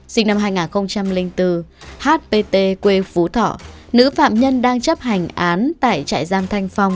sinh năm hai nghìn bốn hpt quê phú thọ nữ phạm nhân đang chấp hành án tại trại giam thanh phong